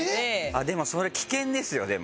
でもそれ危険ですよでも。